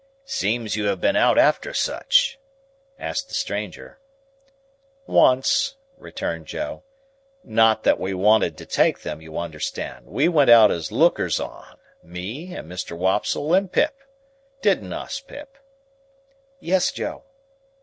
"Seems you have been out after such?" asked the stranger. "Once," returned Joe. "Not that we wanted to take them, you understand; we went out as lookers on; me, and Mr. Wopsle, and Pip. Didn't us, Pip?" "Yes, Joe."